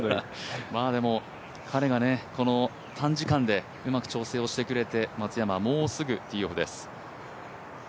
彼が短時間でうまく調整をしてくれて松山、もうすぐティーオフです。